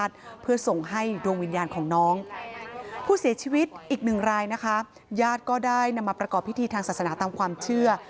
ถึงรายนะคะญาติก็ได้นำมาประกอบพิธีทางศาสนาตามความเชื่อ